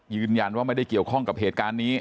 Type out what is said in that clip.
ยืนยันว่าไม่ได้เกี่ยวข้องกับเหตุการณ์นี้